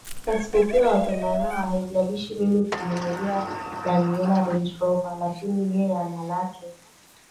katika sikukuu ya Wapendanao Haijalishi mimi kumnunulia Daniella Range Rover lakini yeye ana lake